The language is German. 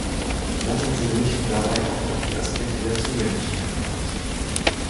Lassen Sie mich dabei auch auf die Aspekte der Zugänglichkeit verweisen.